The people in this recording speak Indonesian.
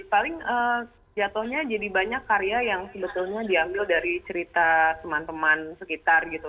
paling jatuhnya jadi banyak karya yang sebetulnya diambil dari cerita teman teman sekitar gitu